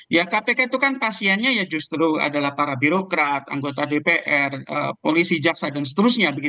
ya kpk itu kan pasiennya ya justru adalah para birokrat anggota dpr polisi jaksa dan seterusnya